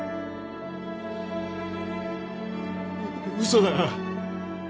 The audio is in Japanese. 嘘だ。